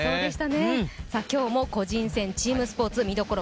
今日も個人戦チームスポーツ見どころ